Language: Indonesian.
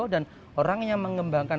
susun sehingga memerlukan